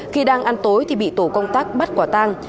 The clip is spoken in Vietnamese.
khi đang ăn tối thì bị tổ công tác bắt quả tang